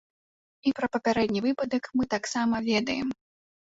І пра папярэдні выпадак мы таксама ведаем.